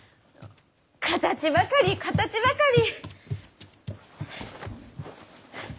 形ばかり形ばかり！